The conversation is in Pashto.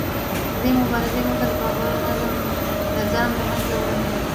د دې مبارزې موخه د پانګوالي نظام له منځه وړل دي